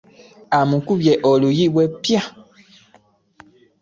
Amukubye oluyi be ppyaa.